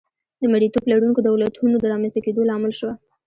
د مریتوب لرونکو دولتونو د رامنځته کېدا لامل شوه.